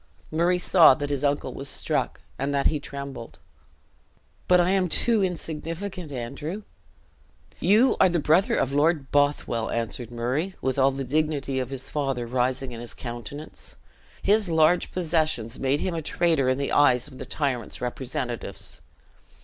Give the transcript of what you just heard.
Murray saw that his uncle was struck, and that he trembled. "But I am too insignificant, Andrew!" "You are the brother of Lord Bothwell!" answered Murray, with all the dignity of his father rising in his countenance. "His large possessions made him a traitor in the eyes of the tyrant's representatives.